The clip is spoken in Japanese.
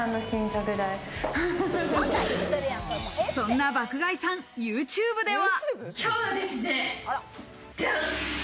そんな爆買いさん、ＹｏｕＴｕｂｅでは。